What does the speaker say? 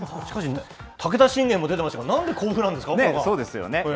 しかし武田信玄も出てましたが、そうですよね。